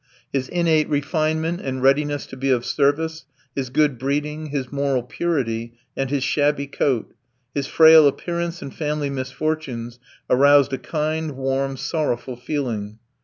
His innate refinement and readiness to be of service, his good breeding, his moral purity, and his shabby coat, his frail appearance and family misfortunes, aroused a kind, warm, sorrowful feeling.